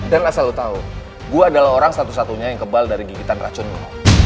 dan asal lo tau gue adalah orang satu satunya yang kebal dari gigitan racun lo